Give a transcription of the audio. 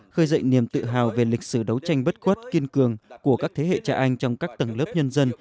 khơi dậy niềm tự hào về lịch sử đấu tranh bất khuất kiên cường của các thế hệ trẻ anh trong các tầng lớp nhân dân